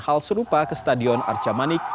hal serupa ke stadion arca manik